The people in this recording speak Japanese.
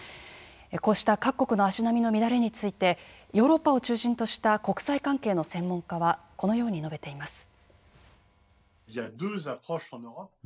こうした各国の足並みの乱れについてヨーロッパを中心とした国際関係の専門家はこのように述べています。